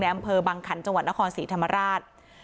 อำเภอบังขันจังหวัดนครศรีธรรมราช